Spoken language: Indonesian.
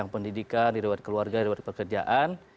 yang pendidikan di ruang keluarga di ruang pekerjaan